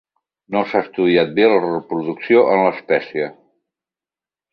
No s'ha estudiat bé la reproducció en l'espècie.